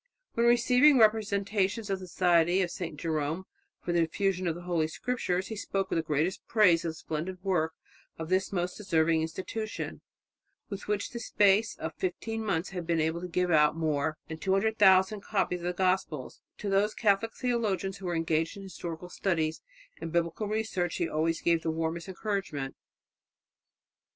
When receiving representatives of the Society of St. Jerome for the diffusion of the Holy Scriptures, he spoke with the greatest praise of the splendid work of this most deserving institution, which in the space of fifteen months had been able to give out more than 200,000 copies of the gospels: to those Catholic theologians who were engaged in historical studies and biblical research he always gave the warmest encouragement.